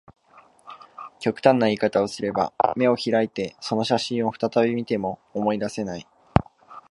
極端な言い方をすれば、眼を開いてその写真を再び見ても、思い出せない